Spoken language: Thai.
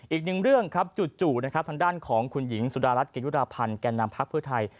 อีกหนึ่งเรื่องครับจู่นะครับทางด้านของคุณหญิงสุดารัฐเกยุราพันธ์แก่นำพักเพื่อไทย